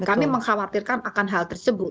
kami mengkhawatirkan akan hal tersebut